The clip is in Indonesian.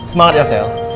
semangat ya sel